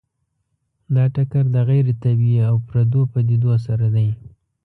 دا ټکر د غیر طبیعي او پردو پدیدو سره دی.